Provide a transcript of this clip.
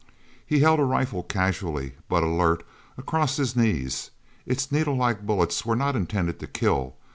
He held a rifle casually, but at alert, across his knees. Its needle like bullets were not intended to kill.